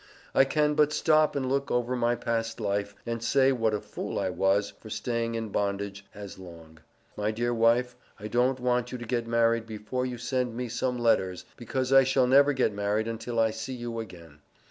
I can but stop and look over my past Life and say what a fool I was for staying in bondage as Long. My dear wife I dont want you to get married before you send me some letters because I never shall get married until I see you again.